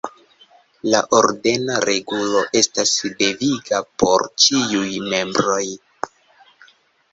La ordena regulo estas deviga por ĉiuj membroj.